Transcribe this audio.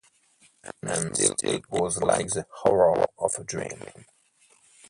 And still it was like the horror of a dream.